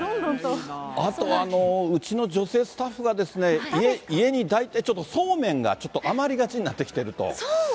あと、うちの女性スタッフが家に、そうめんがちょっと余りがちになってきてると。